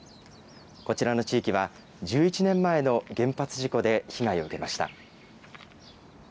こちらの地域は１１年前の原発事故で被害を受けました。